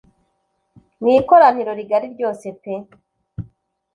mu ikoraniro rigari ryose pe